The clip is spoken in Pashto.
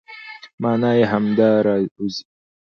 مانا يې همدا راوځي،